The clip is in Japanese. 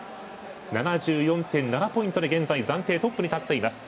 ７４．７ポイントで現在、暫定トップに立っています。